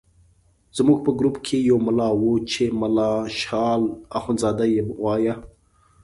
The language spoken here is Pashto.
زموږ په ګروپ کې یو ملا وو چې ملا شال اخندزاده یې وایه.